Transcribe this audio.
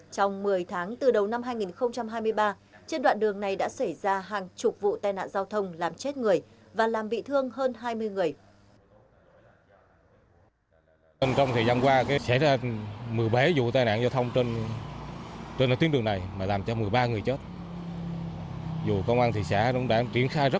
trong một mươi tháng từ đầu năm hai nghìn hai mươi ba trên đoạn đường này đã xảy ra hàng chục vụ tai nạn giao thông làm chết người và làm bị thương hơn hai mươi người